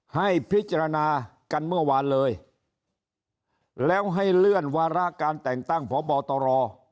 ให้พิจารณากันเมื่อวานเลยแล้วให้เลื่อนวาระการแต่งตั้งพบตร